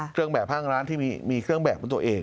เครื่องแบบห้างร้านที่มีเครื่องแบบเป็นตัวเอง